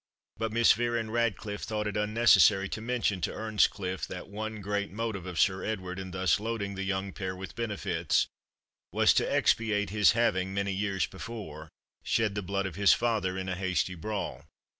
But Miss Vere and Ratcliffe thought it unnecessary to mention to Earnscliff that one great motive of Sir Edward, in thus loading the young pair with benefits, was to expiate his having, many years before, shed the blood of his father in a hasty brawl.